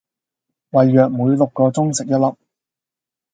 胃藥每六個鐘食一粒